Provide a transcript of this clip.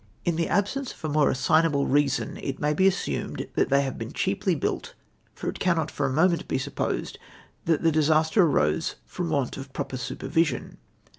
Li the absence of a more assignable reason, it may be assumed that they have been cheaply built, for it can not for a moment be supposed that the disaster arose from want of proper supervision.